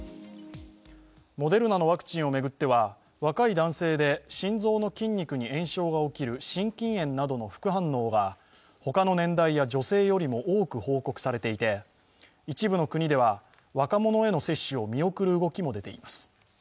モデルナのワクチンを巡っては若い男性で心臓の筋肉に炎症が起きる心筋炎などの副反応が他の年代や女性よりも多く報告されていて一部の国では若者への接種を見送る動きも出ています。